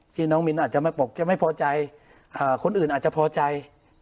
พี่น้องมินอาจจะไม่บอกจะไม่พอใจคนอื่นอาจจะพอใจ